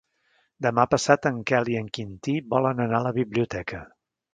Demà passat en Quel i en Quintí volen anar a la biblioteca.